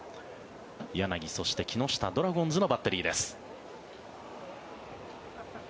柳、そして木下ドラゴンズのバッテリーです。